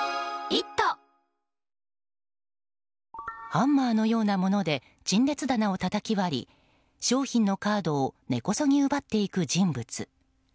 ハンマーのようなもので陳列棚をたたき割り商品のカードを根こそぎ奪っていく人物。